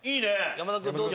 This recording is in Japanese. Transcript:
山田君どうぞ。